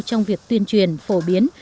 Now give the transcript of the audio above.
trong việc tuyên truyền phổ biến